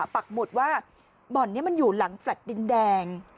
ปักหมุดว่าบ่อนนี้มันอยู่หลังแฟลต์ดินแดง